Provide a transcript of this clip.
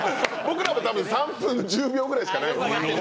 僕らも多分３分１０秒ぐらいしかない。